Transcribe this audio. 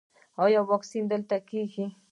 ایا واکسین دلته کیږي؟